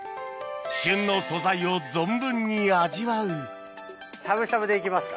旬の素材を存分に味わうしゃぶしゃぶで行きますか。